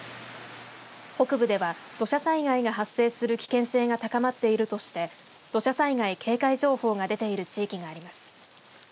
北部では土砂災害が発生する危険性が高まっているとして土砂災害警戒情報が出ている地域があります。